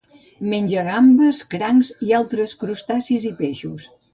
Menja gambes, crancs, altres crustacis i peixos.